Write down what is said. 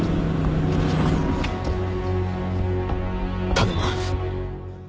頼む。